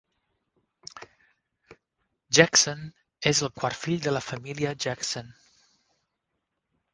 Jackson és el quart fill de la família Jackson.